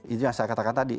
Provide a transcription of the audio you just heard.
itu yang saya katakan tadi